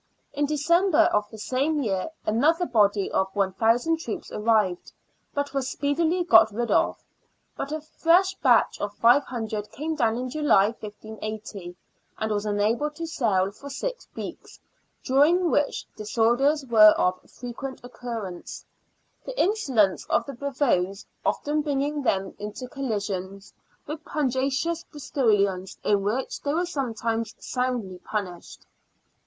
In December of the same year another body of one thousand troops arrived, but was speedily got rid of. But a fresh batch of five hundred came down in July, 1580, and was unable to sail for six weeks, during which disorders were of frequent occurrence, the insolence of the bravoes often bringing them into collision with pugnacious Bris tolians, in which they were sometimes soundly punished.